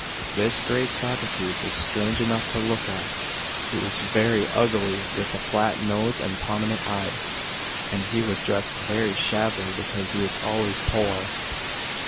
This great Socrates was strange enough to look at. He was very ugly, with a flat nose and pro minent eyes, and he was dressed very shabbily, because he was always poor.